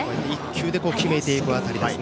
１球で決めていく辺りです。